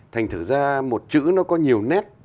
thành thử ra một chữ nó có nhiều nét